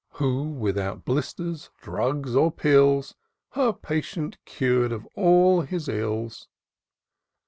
Who, without blisters, drugs, or pills. Her patient cur'd of all his ills.